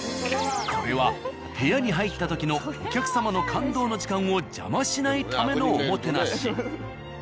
これは部屋に入った時のお客様の感動の時間を邪魔しないためのおもてなし。